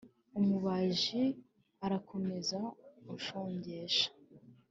Umubaji arakomeza ushongesha,